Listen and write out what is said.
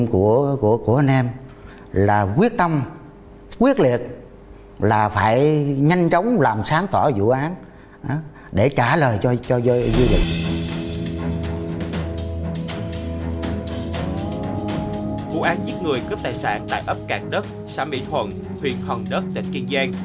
vụ án giết người cướp tài sản tại ấp cạt đất xã mỹ thuận thuyền hần đất tỉnh kiên giang